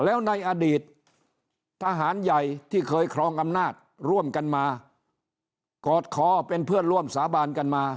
แล้วในอดีตทหารใหญ่ที่เคยครองอำนาจร่วมกันมากอดคอเป็นเพื่อนร่วมสาบานกันมา